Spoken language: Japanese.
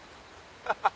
ハハハッ。